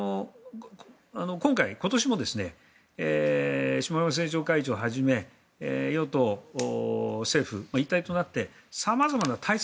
今回、今年も下村政調会長をはじめ与党、政府一体となって様々な対策